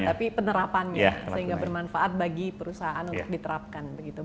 tapi penerapannya sehingga bermanfaat bagi perusahaan untuk diterapkan